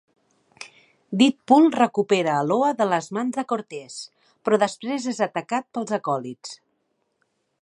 Deadpool recupera a Loa de les mans de Cortés, però després és atacat pels acòlits.